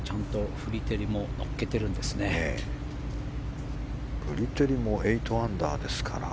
フリテリも８アンダーですから。